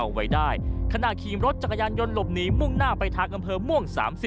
เอาไว้ได้ขณะขี่รถจักรยานยนต์หลบหนีมุ่งหน้าไปทางอำเภอม่วง๓๐